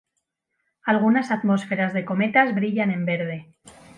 Algunas atmósferas de cometas brillan en verde.